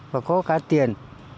và có cả tiền